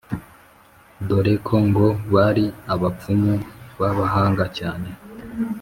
dore ko ngo bari abapfumu b’abahanga cyane